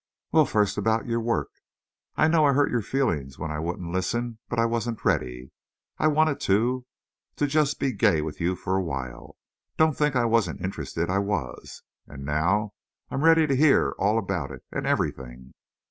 "Well, first about your work. I know I hurt your feelings when I wouldn't listen. But I wasn't ready. I wanted to—to just be gay with you for a while. Don't think I wasn't interested. I was. And now, I'm ready to hear all about it—and everything."